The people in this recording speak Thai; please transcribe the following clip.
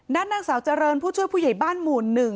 นางสาวเจริญผู้ช่วยผู้ใหญ่บ้านหมู่๑